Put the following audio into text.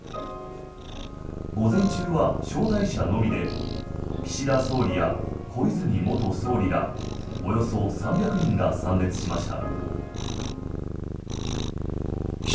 午前中は招待者のみで岸田総理や小泉元総理らおよそ３００人が参列しました。